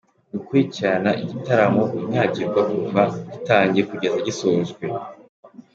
Gukurikirana igitaramo unyagirwa kuva gitangiye kugeza gisojwe.